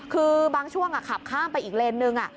คือบางช่วงขับข้ามไปอีกเลนนึง